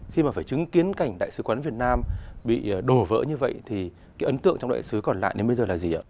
khi mà phải chứng kiến cảnh đại sứ quán việt nam bị đổ vỡ như vậy thì cái ấn tượng trong đại sứ còn lại đến bây giờ là gì ạ